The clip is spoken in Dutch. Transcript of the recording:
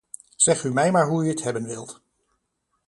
Zegt u mij maar hoe u het hebben wilt.